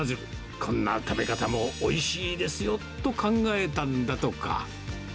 こんな食べ方もおいしいですよと考えたんだとか。